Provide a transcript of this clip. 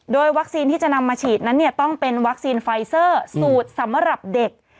โดยวัคซีนที่จะนำมาฉีดนั้นต้องเป็นวัคซีนไฟเซอร์สูตรสำหรับเด็ก